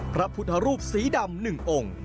พระพุทธรูปสีดำ๑องค์